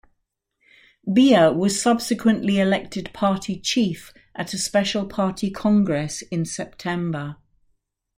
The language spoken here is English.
Biya was subsequently elected party chief at a special party congress in September.